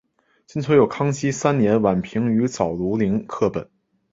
今存有康熙三年宛平于藻庐陵刻本。